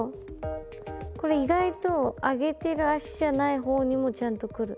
これ意外と上げてる脚じゃない方にもちゃんとくる。